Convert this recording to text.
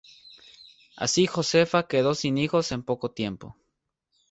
Así Josefa quedó sin hijos en poco tiempo.